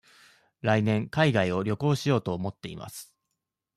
来年海外を旅行しようと思っています。